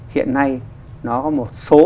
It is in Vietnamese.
hiện nay nó có một số